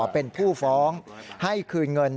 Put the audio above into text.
เป็นผู้ฟ้องให้คืนเงิน